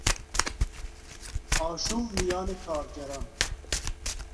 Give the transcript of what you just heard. آشوب میان کارگران